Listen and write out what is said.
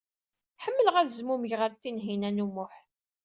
Ḥemmleɣ ad zmumgeɣ ɣer Tinhinan u Muḥ.